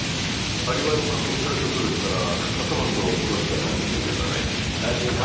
アリバイも確認されたそうですから笠松を殺した犯人ではない。らしいな。